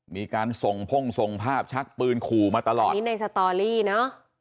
มีการส่งพ่งส่งภาพชักปืนขู่มาตลอดอันนี้ในสตอรี่เนอะ